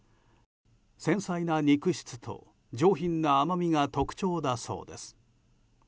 繊細な肉質と上品な甘みが特徴だそうです。